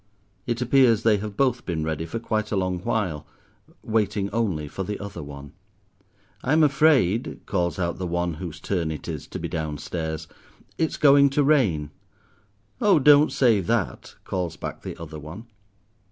It appears they have both been ready for quite a long while, waiting only for the other one. "I'm afraid," calls out the one whose turn it is to be down stairs, "it's going to rain." "Oh, don't say that," calls back the other one.